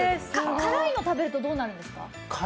辛いの食べるとどうなるんですか？